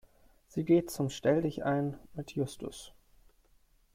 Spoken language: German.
Sie geht zum Stelldichein mit Justus.